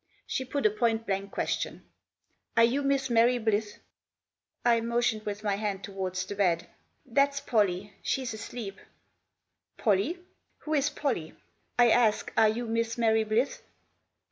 She put a point blank question. "Are you Miss Mary Blyth?" I motioned with my hand towards the bed. " That's Pollie. She's asleep." "Pollie? Who is Pollie? I ask, are you Miss Mary Blyth?"